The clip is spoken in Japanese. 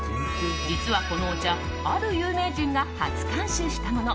実は、このお茶ある有名人が初監修したもの。